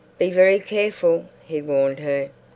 "Be very careful," he warned her.